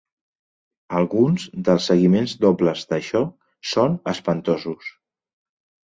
Alguns dels seguiments dobles d'això són espantosos.